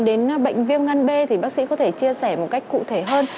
thưa bác sĩ nói đến bệnh viêm gan b thì bác sĩ có thể chia sẻ một cách cụ thể hơn